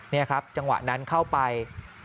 นี่ครับจังหวะนั้นเข้าไป